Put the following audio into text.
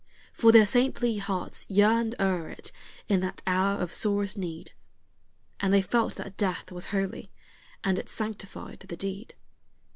For their saintly hearts yearned o'er it in that hour of sorest need, And they felt that Death was holy, and it sanctified the deed.